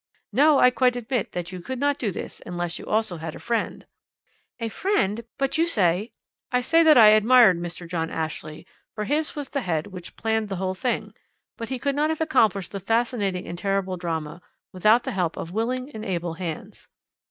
"No! I quite admit that you could not do this unless you also had a friend " "A friend? But you say " "I say that I admired Mr. John Ashley, for his was the head which planned the whole thing, but he could not have accomplished the fascinating and terrible drama without the help of willing and able hands."